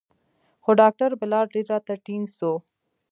خو ډاکتر بلال ډېر راته ټينګ سو.